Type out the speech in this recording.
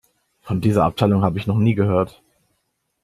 Von dieser Abteilung habe ich noch nie gehört.